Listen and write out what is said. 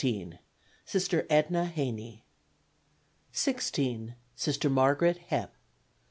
Sister Edna Heney. 16. Sister Margaret Hepp.